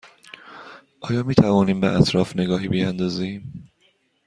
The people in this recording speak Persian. آیا می توانیم به اطراف نگاهی بیاندازیم؟